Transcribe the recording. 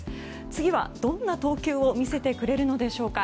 次はどんな投球を見せてくれるのでしょうか。